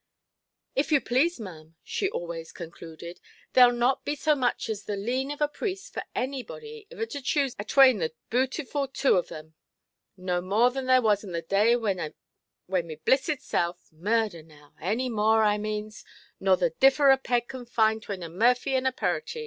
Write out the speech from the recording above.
"If you plase, maʼam", she always concluded, "thereʼll not be so much as the lean of a priest for anybody iver to choose atwane the bootiful two on them. No more than there was on the day when my blissed self—murder now!—any more, I manes, nor the differ a peg can find 'twane a murphy and a purratie.